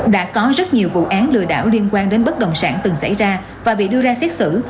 đã có rất nhiều vụ án lừa đảo liên quan đến bất đồng sản từng xảy ra và bị đưa ra xét xử